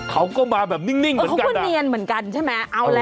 เขาก็มาแบบนิ่งเหมือนกันก็เนียนเหมือนกันใช่ไหม